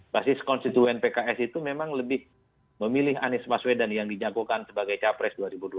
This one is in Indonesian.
basis konstituen pks itu memang lebih memilih anies baswedan yang dijagokan sebagai capres dua ribu dua puluh